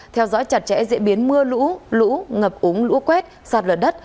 theo dõi chặt chẽ diễn biến mưa lũ lũ ngập ống lũ quét sạt lở đất